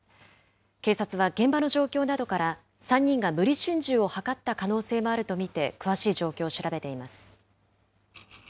警察は現場の状況などから、３人が無理心中を図った可能性もあると見て、詳しい状況を調べています。